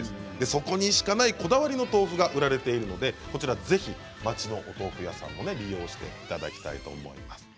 そこにしかないこだわりの豆腐が売られているのでぜひ町の豆腐屋さんも利用していただきたいと思います。